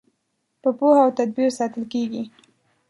په پوهه او تدبیر ساتل کیږي.